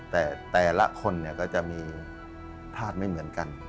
แต่แต่ละคนก็จะมีธาตุไม่เหมือนกัน